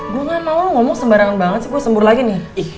gue gak mau ngomong sembarangan banget sih gue sembur lagi nih